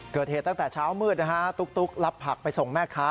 เกิดเหตุตั้งแต่เช้ามืดนะฮะตุ๊กรับผักไปส่งแม่ค้า